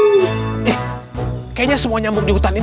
eh kayaknya semua nyambung di hutan ini